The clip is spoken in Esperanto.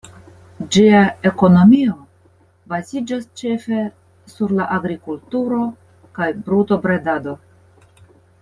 Ĝia ekonomio baziĝas ĉefe sur la agrikulturo kaj brutobredado.